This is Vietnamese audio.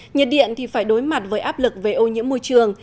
nhiệt điện thì phải đối mặt với áp lực về ô nhiễm môi trường